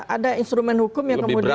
ada instrumen hukum yang kemudian